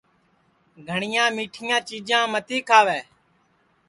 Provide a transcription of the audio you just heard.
گھٹؔؔیاں میٹھیاں چیجاں متی کھاوے